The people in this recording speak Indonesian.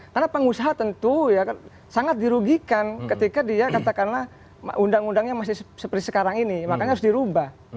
karena pengusaha tentu ya kan sangat dirugikan ketika dia katakanlah undang undangnya masih seperti sekarang ini makanya harus dirubah